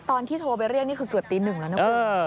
ตอนที่โทรไปเรียกนี่คือเกือบตีหนึ่งแล้วนะคุณ